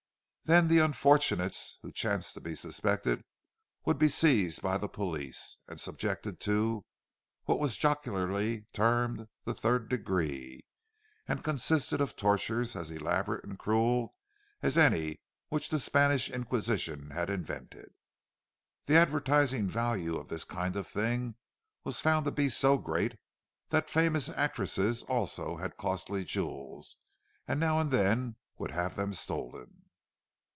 Then the unfortunates who chanced to be suspected would be seized by the police and subjected to what was jocularly termed the "third degree," and consisted of tortures as elaborate and cruel as any which the Spanish Inquisition had invented. The advertising value of this kind of thing was found to be so great that famous actresses also had costly jewels, and now and then would have them stolen.